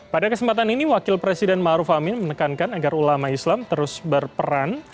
pada kesempatan ini wakil presiden maruf amin menekankan agar ulama islam terus berperan